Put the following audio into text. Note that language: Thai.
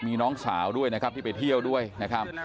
มีน้องสาวด้วยนะครับที่ไปเที่ยวด้วยนะครับ